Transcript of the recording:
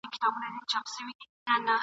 نه به یې په سیوري پسي ځغلي ماشومان د ښار ..